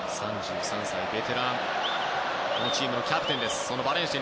３３歳、ベテランチームのキャプテンです。